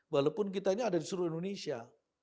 walaupun kita ini ada di seluruh indonesia